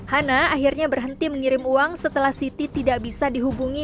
hana akhirnya berhenti mengirim uang setelah siti tidak bisa dihubungi